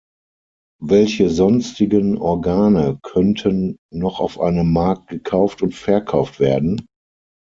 Welche sonstigen Organe könnten noch auf einem Markt gekauft und verkauft werden?